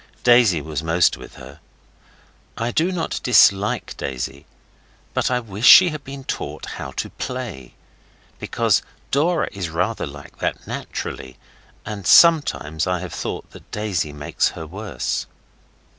Daisy was most with her. I do not dislike Daisy, but I wish she had been taught how to play. Because Dora is rather like that naturally, and sometimes I have thought that Daisy makes her worse.